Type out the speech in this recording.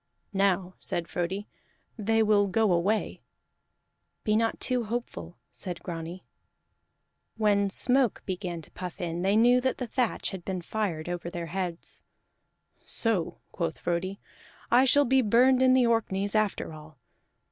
"Now," said Frodi, "they will go away." "Be not too hopeful," said Grani. When smoke began to puff in, they knew that the thatch had been fired over their heads. "So," quoth Frodi, "I shall be burned in the Orkneys after all.